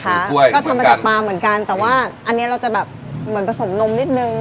ถือกล้วยเหมือนกันก็ทำให้เป็นปลาเหมือนกันแต่ว่าอันนี้เราจะแบบเหมือนผสมนมนิดหนึ่ง